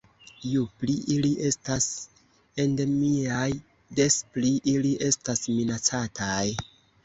Ju pli ili estas endemiaj, des pli ili estas minacataj.